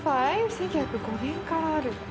１９０５年からあるって。